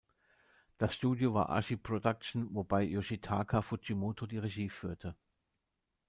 Das Studio war Ashi Production, wobei Yoshitaka Fujimoto die Regie führte.